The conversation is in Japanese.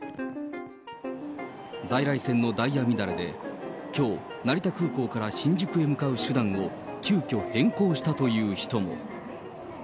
在来線のダイヤ乱れで、きょう、成田空港から新宿へ向かう手段を急きょ、変更したという人も。